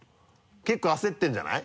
結構焦ってるんじゃない？